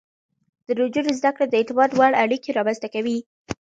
د نجونو زده کړه د اعتماد وړ اړيکې رامنځته کوي.